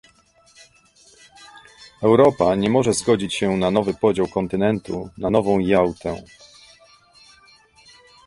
Europa nie może zgodzić się na nowy podział kontynentu, na nową Jałtę